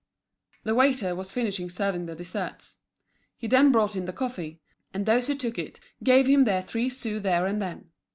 The waiter was finishing serving the dessert. He then brought in the coffee, and those who took it gave him their three sous there and then.